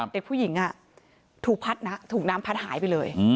เด็กผู้หญิงถูกพัดนะถูกน้ำพัดหายไปเลย